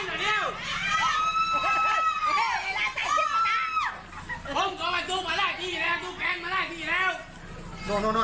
มีโทบุรณอนาน